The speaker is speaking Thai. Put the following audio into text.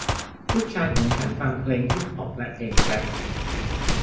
ลูกชายของฉันฟังเพลงฮิพฮอพและเพลงแรพ